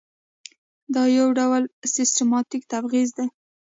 دا یو ډول سیستماتیک تبعیض دی.